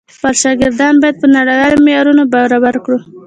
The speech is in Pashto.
خپل شاګردان بايد په نړيوالو معيارونو برابر کړو.